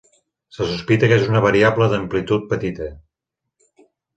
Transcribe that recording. Se sospita que és una variable d'amplitud petita.